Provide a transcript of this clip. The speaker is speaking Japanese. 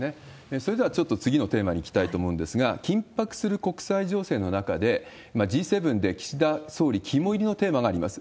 それではちょっと次のテーマにいきたいと思うんですが、緊迫する国際情勢の中で、Ｇ７で岸田総理肝煎りのテーマがあります。